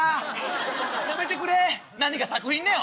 やめてくれ何が作品だよ。